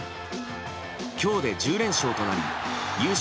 今日で１０連勝となり優勝